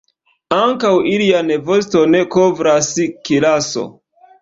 Ankaŭ ilian voston kovras kiraso.